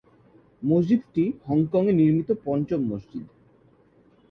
মসজিদটি হংকংয়ে নির্মিত পঞ্চম মসজিদ।